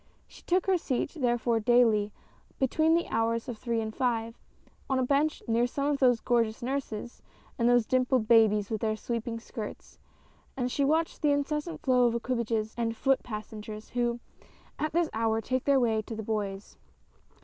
She took her seat therefore daily, between the hours of three and five, on a bench near some one of those gorgeous nurses and those dimpled babies with their sweeping skirts, and she watched the incessant flow of equipages and foot passengers who, at this hour, take their way to the Bois.